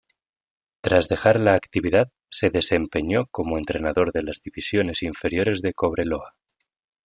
Tras dejar la actividad se desempeñó como entrenador de las divisiones inferiores de Cobreloa.